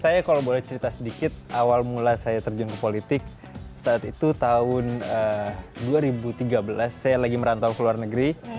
saya kalau boleh cerita sedikit awal mula saya terjun ke politik saat itu tahun dua ribu tiga belas saya lagi merantau ke luar negeri